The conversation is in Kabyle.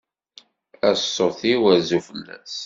A ṣṣut-iw rzu fell-as.